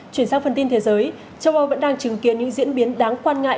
chuyển sang phần tin thế giới châu âu vẫn đang chứng kiến những diễn biến đáng quan ngại